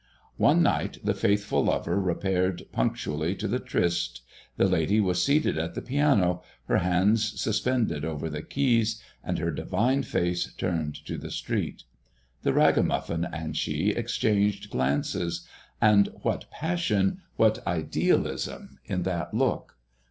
One night the faithful lover repaired punctually to the tryst. The lady was seated at the piano, her hands suspended over the keys, and her divine face turned to the street. The ragamuffin and she exchanged glances; and what passion, what idealism, in that look!